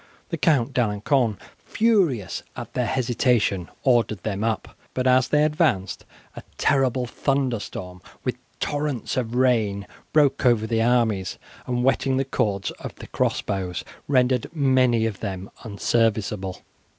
The Count D'Alencon, furious at their hesitation, ordered them up, but as they advanced a terrible thunderstorm, with torrents of rain, broke over the armies, and wetting the cords of the crossbows rendered many of them unserviceable.